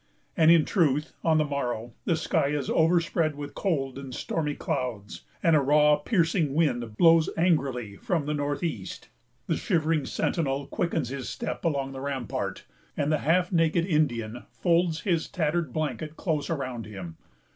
And, in truth, on the morrow the sky is overspread with cold and stormy clouds; and a raw, piercing wind blows angrily from the north east. The shivering sentinel quickens his step along the rampart, and the half naked Indian folds his tattered blanket close around him.